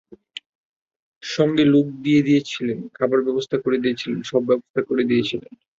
সঙ্গে লোক দিয়ে দিয়েছিলেন, খাবার ব্যবস্থা করে দিয়েছিলেন—সব ব্যবস্থা করে দিয়েছিলেন।